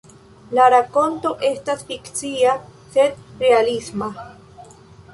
La rakonto estas fikcia, sed realisma.